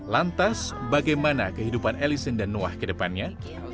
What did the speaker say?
lantas bagaimana kehidupan allison dan noah kedepannya